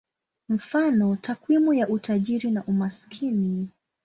Mfano: takwimu ya utajiri na umaskini.